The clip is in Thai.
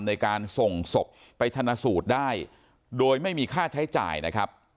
ในการส่งศพไปชนะสูตรได้โดยไม่มีค่าใช้จ่ายนะครับ